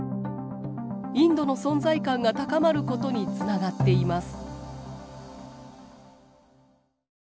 インドの存在感が高まることにつながっています。